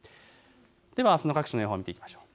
ではあすの各地の予報を見ていきましょう。